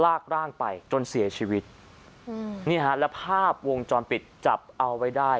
ลากร่างไปจนเสียชีวิตอืมนี่ฮะแล้วภาพวงจรปิดจับเอาไว้ได้